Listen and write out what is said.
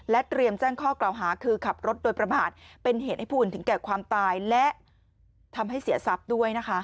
เตรียมแจ้งข้อกล่าวหาคือขับรถโดยประมาทเป็นเหตุให้ผู้อื่นถึงแก่ความตายและทำให้เสียทรัพย์ด้วยนะคะ